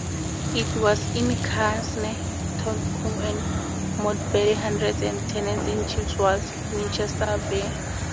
It was in Cerne, Totcombe and Modbury Hundred and the tenant-in-chief was Winchester Abbey.